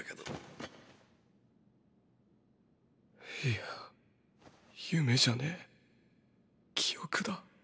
いや夢じゃねぇ記憶だ。